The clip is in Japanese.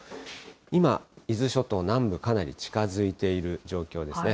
今、伊豆諸島南部、かなり近づいている状況ですね。